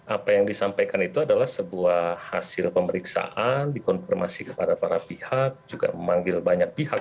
apa yang disampaikan itu adalah sebuah hasil pemeriksaan dikonfirmasi kepada para pihak juga memanggil banyak pihak